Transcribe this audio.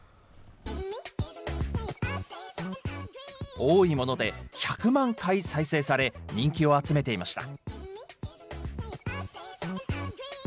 多いもので１００万回再生され、人気を集めていました。